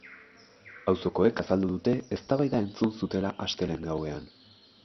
Auzokoek azaldu dute eztabaida entzun zutela astelehen gauean.